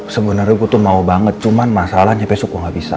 sebenernya gue tuh mau banget cuman masalahnya besok gue gak bisa